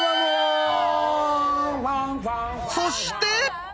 そして！